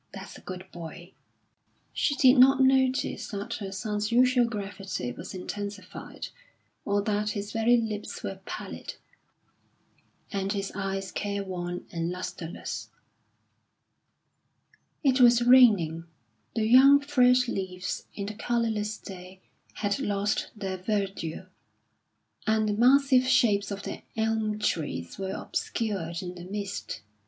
"That's a good boy." She did not notice that her son's usual gravity was intensified, or that his very lips were pallid, and his eyes careworn and lustreless. It was raining. The young fresh leaves, in the colourless day, had lost their verdure, and the massive shapes of the elm trees were obscured in the mist.